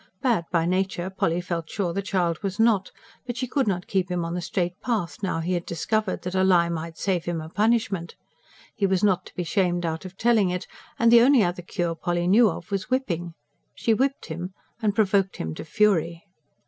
Bad by nature, Polly felt sure the child was not; but she could not keep him on the straight path now he had discovered that a lie might save him a punishment. He was not to be shamed out of telling it; and the only other cure Polly knew of was whipping. She whipped him; and provoked him to fury.